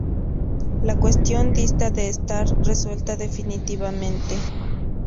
La cuestión dista de estar resuelta definitivamente.